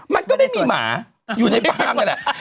มันก็ไม่มีหมาอยู่ในฟาร์มนี่แหละ